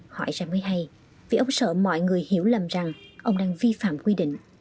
hỏi ra mới hay vì ông sợ mọi người hiểu lầm rằng ông đang vi phạm quy định